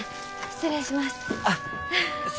失礼します。